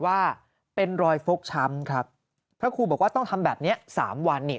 ว่าเป็นรอยฟกช้ำครับพระครูบอกว่าต้องทำแบบเนี้ยสามวันเนี่ย